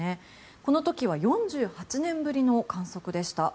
この時は４８年ぶりの観測でした。